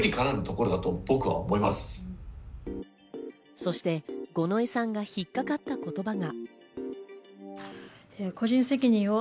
そして五ノ井さんが引っかかった言葉が。